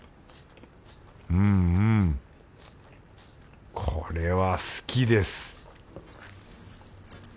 うんうんこれは好きです